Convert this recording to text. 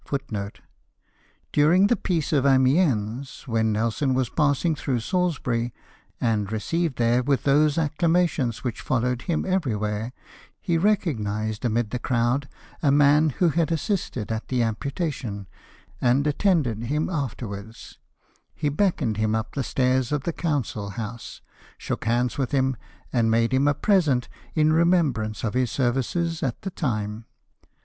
Lieutenant Weatherhead, who had followed him from the AgameTiinon, and whom he * During the peace of Amiens, when Nelson was passing through Salisbury, and received there with those acclamations which followed him everywhere, he recognised, amid the crowd, a man who had assisted at the amputation, and attended him afterwards. He beckoned him up the stairs of the Council House, shook hands with him, and made him a present, in remembrance of his services at that time.